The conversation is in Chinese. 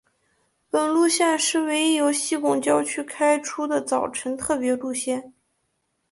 本路线是唯一由西贡郊区开出的早晨特别路线。